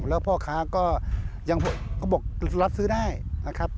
แล้วพ่อค้าก็ยังเขาบอกรับซื้อได้นะครับ